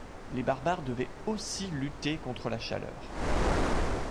Les barbares devaient aussi lutter contre la chaleur.